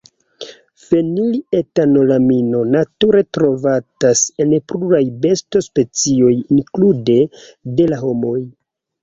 Fenil-etanolamino nature trovatas en pluraj besto-specioj, inklude de la homoj.